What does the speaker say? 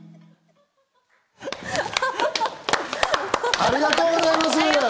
ありがとうございます！